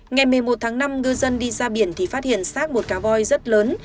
ngày một mươi một tháng năm ngư dân đi ra biển thì phát hiện sát một cá voi rất lớn